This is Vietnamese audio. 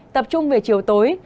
tập trung về chiều tối